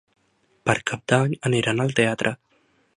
Per Cap d'Any aniran al teatre.